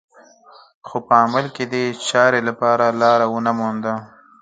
خو په عمل کې دې چارې لپاره لاره ونه مونده